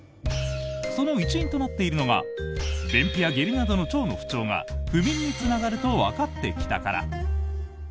その一因となっているのが便秘や下痢などの腸の不調が不眠につながるとわかってきたから。